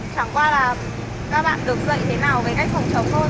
chẳng qua là các bạn được dạy thế nào về cách phòng chống thôi